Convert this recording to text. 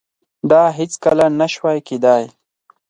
دا هیڅکله نشوای کېدای.